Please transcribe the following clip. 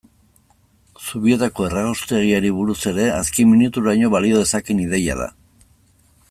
Zubietako erraustegiari buruz ere, azken minuturaino balio dezakeen ideia da.